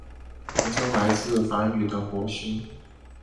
名称来自于梵语的火星。